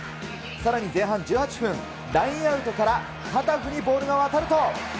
さらに前半１８分、ラインアウトからタタフにボールが渡ると。